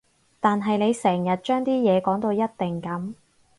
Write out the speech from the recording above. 但係你成日將啲嘢講到一定噉